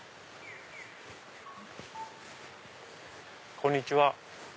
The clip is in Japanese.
こんにちは！